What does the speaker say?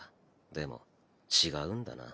でも違うんだな。